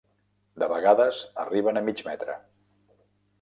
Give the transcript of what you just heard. De vegades arriben a mig metre.